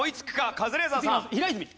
カズレーザーさん。